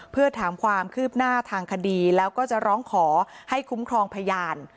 เพื่อถามความคืบหน้าทางคดีแล้วก็จะร้องขอให้คุ้มครองพยาน